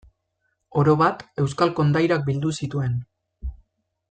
Orobat, euskal kondairak bildu zituen.